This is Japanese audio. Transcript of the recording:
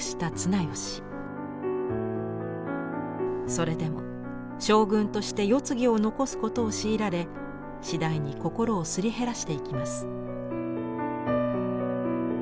それでも将軍として世継ぎを残すことを強いられ次第に心をすり減らしていきます。